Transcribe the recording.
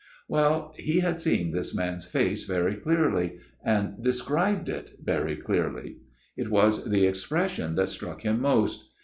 " Well ; he had seen this man's face very clearly ; and described it very clearly. " It was the expression that struck him most.